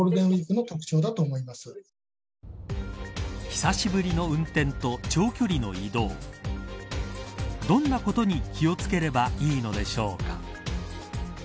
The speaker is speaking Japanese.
久しぶりの運転と長距離の移動どんなことに気を付ければいいのでしょうか。